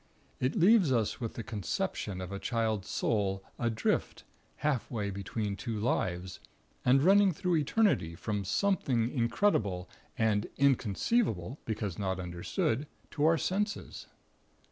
It leaves us with the conception of a child's soul adrift half way between two lives, and running through Eternity from Something incredible and inconceivable (because not understood) to our senses.